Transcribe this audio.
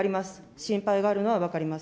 心配があるのは分かります。